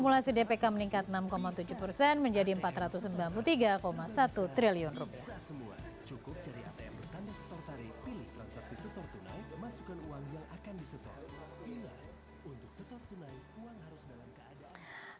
simulasi dpk meningkat enam tujuh persen menjadi empat ratus sembilan puluh tiga satu triliun rupiah